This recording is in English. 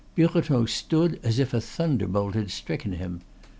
Birotteau stood as if a thunderbolt had stricken him.